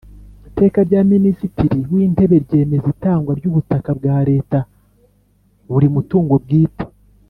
Iteka rya Minisitiri w Intebe ryemeza itangwa ry ubutaka bwa Leta buri mu mutungo bwite